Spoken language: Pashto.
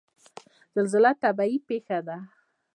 زلزله طبیعي پیښه ده